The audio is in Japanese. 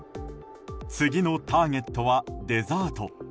次のターゲットはデザート。